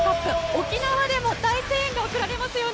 沖縄でも大声援が送られますよね。